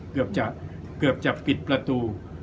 เกือบจะปิดประตู